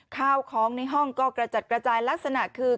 ข้าวของในห้องก็กระจัดกระจายลักษณะคือ